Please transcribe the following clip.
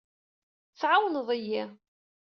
Tɛawneḍ-iyi.